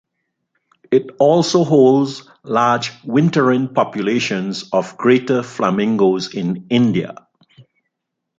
It also holds large wintering populations of greater flamingos in India.